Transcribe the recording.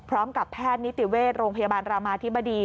พร้อมกับแพทย์นิติเวชโรงพยาบาลรามาธิบดี